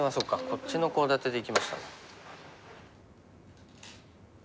こっちのコウ立てでいきました。